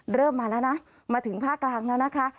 เริ่มมาแล้วนะมาถึงภาคกลางแล้วนะคะ